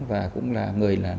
và cũng là người là